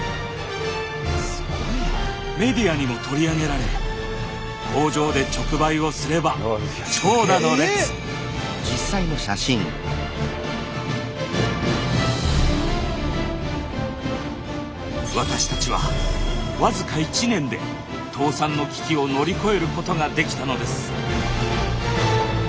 メディアにも取り上げられ工場で直売をすれば私たちはわずか１年で倒産の危機を乗り越えることができたのです。